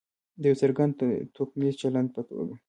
د یو څرګند توکمیز چلند په توګه.